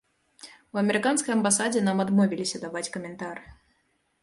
У амерыканскай амбасадзе нам адмовіліся даваць каментар.